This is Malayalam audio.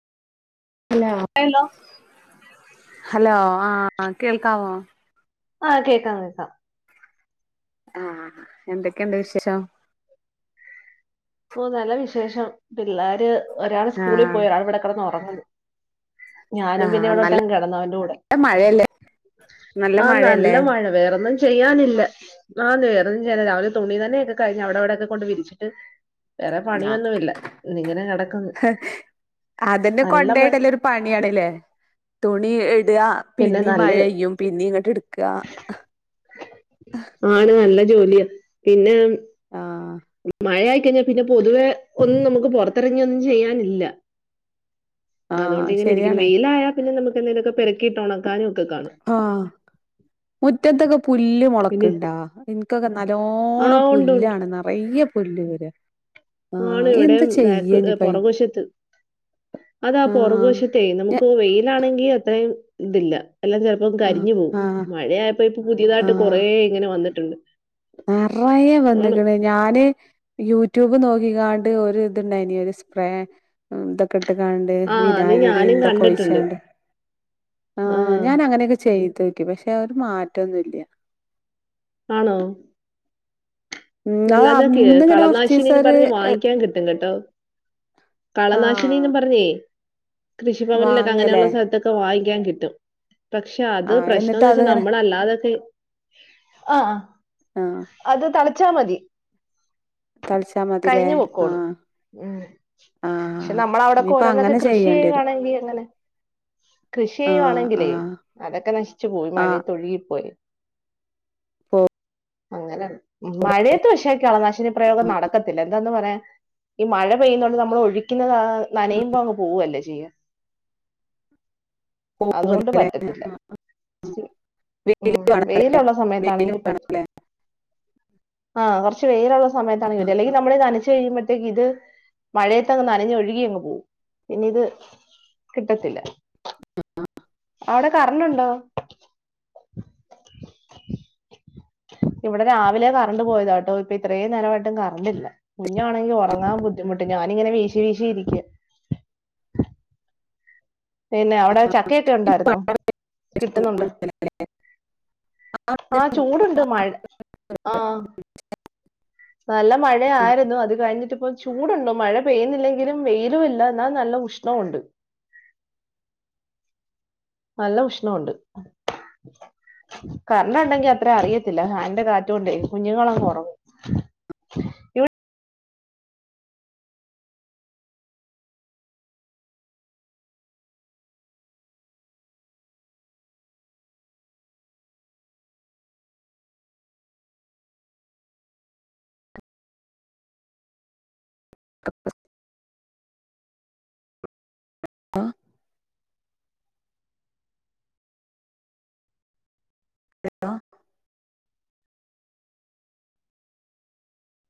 ഹലോ ഹലോ ആകേൾക്കാവോ. ആഹ് കേക്കാങ്ങക്ക.... ആഹ എന്തൊക്കെയുണ്ട് വിശേഷം? ഓ നല്ല വിശേഷം പിള്ളേർ ഒരാള് സ്കൂളിൽ ആഹ് പോയരാണ് ഇവിടെ കിടന്ന് ഉറങ്ങത്. ഞാനും പിന്നെ ആഹ് നല്ല ഇവിടോട്ടങ്ങ് കെടന്ന് അവന്റെ കൂടെ മഴയല്ലേ ആഹ് നല്ല മഴ വേറെന്നും ചെയ്യാനില്ല ആന്ന് വേറോന്നും ചെയ്യാനി രാവിലെ തുണി നനയൊക്കെ കഴിഞ്ഞ് അവിടെ അവിടെയൊക്കെ കൊണ്ട് വിരിച്ചിട്ട് വേറെ ആഹ് പണിയൊന്നുവില്ല ഇന്ന് ഇങ്ങനെ കെടക്ക്ന്ന് അതന്നെ കൊണ്ടോയിടല്ല് ഒരു പണിയാണല്ലേ തുണി ഇടുക...... പിന്നെ പിന്നീം നല്ല മഴെയ്യും പിന്നീ ഇങ്ങോട്ട് എടുക്കുക. ജോലിയ പിന്നെ. ആഹ് മഴ പിന്നെ പൊതുവെ ഒന്നും നമുക്ക് പൊറത്തെറങ്ങിയൊന്നും ചെയ്യാനില്ല. ആഹ് അതുകൊണ്ട്ങ്ങനെ ഇരിക്കുന്നു ശരിയാണ് വെയിലായാൽ പിന്നെ നമ്കെനതേലൊക്കെ പെറുക്കിട്ട് ഒണക്കാനും. ആഹ് മുറ്റത്തൊക്കെ പുല്ല് പിന്നെ മുളക്കുണ്ടാ എനിക്കൊക്കെ നല്ല. ആ എല്ലോണം ഉണ്ട് പുല്ലാണ് നിറയെ പുല്ല് വര്കാ ആള് ഇവിടേം ബാക്ക് പൊറക് വശത്ത് അതാ പൊറക് ആഹ് വശത്തേ നമുക്ക് വെയിലാണെങ്കി അത്രയും ഇതില്ല എല്ലാം ചെലപ്പോ ആഹ് കരിഞ്ഞു പോവും ആഹ് മഴായപ്പോ ഇപ്പോ പുതിയതായിട്ട് കൊറേ ഇങ്ങനെ വന്നിട്ടോണ്ട് നെറയെ വന്ന്ക്കണ് ഞാന് യൂട്യൂബ് നോക്കിക്കാണ്ട് ഒരു ഇതുണ്ടായിന ഒരു സ്പ്രേ ഇതാ ട്ട് ക്കാണ്ട് ആ അത് വിനാഗിരിം ഞാനും ഇതൊക്കെ കണ്ടിട്ടുണ്ട് ഒഴിച്ചണ്ട് ആ ആഹ് ഞാൻ അങ്ങനെക്കെ ചെയ് ത്ക്കി പഷേ ഒരു മാറ്റൊന്നുവില്ല്യ ആണോ ഉം അത് എന്നാല്തൊക്കെ അന്ന്ങ്ങനെ കൊർച്ചീസം കളനാശിനിന്ന് ഒരു പറഞ്ഞ് വാങ്ങിക്കാൻ കിട്ടും കേട്ടോ. ആഹ് കളനാശിനിന്നും പറഞ്ഞേ കൃഷിഭവനിലൊക്കെ വാങ്ങലേ അങ്ങനെയുള്ള സ്ഥലത്തൊക്കെ വാങ്ങിക് യാൻ കിട്ടും. പക്ഷെ അത് ആഹ് എന്നിട്ട് പ്രശ്നംന്ന് വെച്ചാ അത്ങ്ങനെ നമ്മളല്ലാതൊക്കെ ആഹ് ആഹ് അത് തളച്ചാ മതി. തളിച്ചാ മതിലേ കരിഞ്ഞു പൊക്കോളും ആഹ് ഉം പക്ഷെ ആഹ് നമ്മൾ അവിടൊക്കെ ഇനിയിപ്പ ഓരോന്നൊക്കെ അങ്ങനെ കൃഷി ചെയ്യേണ്ടിരും ചെയ്യുവാണെങ്കി അങ്ങനെ. കൃഷി ആഹ് ചെയ്യുവാണെങ്കിലേ ആഹ് അതൊക്കെ നശിച്ചു പോയി മഴയത്തൊഴുകിപ്പോയി. ഓ അങ്ങനെ മഴയത്ത് പഷേ കളനാശിനി പ്രയോഗം നടക്കത്തില്ല എന്താന്ന് പറയാൻ ഈ മഴ പെയ്യുന്നോണ്ട് നമ്മൾ ഒഴിക്കുന്നത് ആഹ് നനയുമ്പോ അങ്ങ് പോവല്ലേ ചെയ്യ. അതോണ്ട് പോകൂലേ പറ്റത്തില്ല. ഉ വെയില് വേണല്ലേ വെയിലുള്ള വെയില് സമയത്താണെങ്കി പറ്റും. ആഹ് കൊറച്ച് വേയിലുള്ള സമയത്താണെങ്കി പറ്റും അല്ലെങ്കിൽ നമ്മള നന റച്ചഴിയുമ്പോത്തേക്ക് ഇത് മഴയതങ്ങ് നനഞ്ഞ് ഒഴുകിയങ്ങ് പോവും. പിന്നെ ഇത് കിട്ടത്തില്ല. അവ്ടെ കറണ്ടുണ്ടോ? ഇവിടെ രാവിലെ കറണ്ട് പോയതാട്ടോ ഇപ്പൊ ഇത്രയും നേരമായിട്ടും കറണ്ടില്ല. കുഞ്ഞാണെങ്കിൽ ഒറങ്ങാൻ ബുദ്ധിമുട്ടി ഞാൻ ഞാനിങ്ങനെ വീശി വീശി ഇരിക്ക. പിന്നെ അവ്ടെ ചക്കയൊക്കെ ഉണ്ടായിരുന്നോ? വേണല്ലേ കിട്ടുന്നുണ്ടോ? ആഹ് ചൂടുണ്ട്. ആ മഴ ആഹ് നല്ല മഴ ആരുന്നു, അത് കഴിഞ്ഞിട്ട് പ്പൊ ചൂടുണ്ട് മഴ പെയ്യുന്നില്ലെങ്കിലും വെയിലുംയില്ല, ന്നാൽ നല്ല ഉഷ്ണവുണ്ട്. നല്ല ഉഷ്ണവൊണ്ട്. കറണ്ടെണ്ടെങ്കി അത്ര അറിയത്തില്ല. ഫാന്റെ കാറ്റോണ്ട് കുഞ്ഞുങ്ങളങ്ങൊറങ്ങു. ഇവ് ആ എട്ടാ